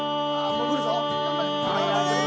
潜るぞ。